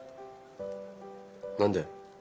何で？